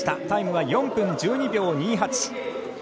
タイムは４分１２秒２８。